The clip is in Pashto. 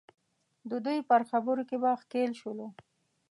د دوی پر خبرو کې به ښکېل شولو.